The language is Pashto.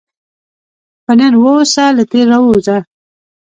په نن واوسه، له تېر راووځه.